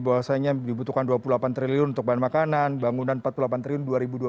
bahwasanya dibutuhkan dua puluh delapan triliun untuk bahan makanan bangunan rp empat puluh delapan triliun dua ribu dua puluh